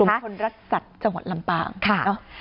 กลุ่มคนรัฐสัตว์จังหวัดลำปา